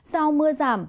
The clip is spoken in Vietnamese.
sau mưa giảm